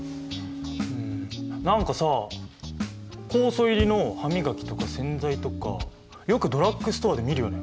ん何かさ酵素入りの歯磨きとか洗剤とかよくドラッグストアで見るよね。